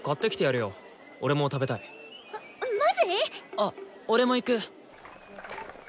あっ俺も行く！